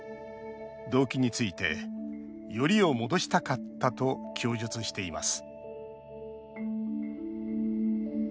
動機について「よりを戻したかった」と供述しています。